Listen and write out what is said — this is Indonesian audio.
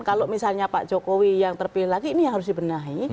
kalau misalnya pak jokowi yang terpilih lagi ini harus dibenahi